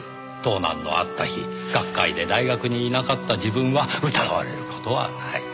盗難のあった日学会で大学にいなかった自分は疑われる事はない。